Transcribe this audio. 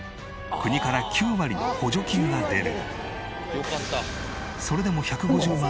国から９割の補助金が出る。